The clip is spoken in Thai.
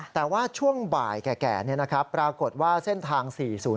แต่ว่าช่วงบ่ายแก่เนี่ยนะครับปรากฏว่าเส้นทาง๔๐๘